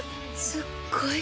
すっごい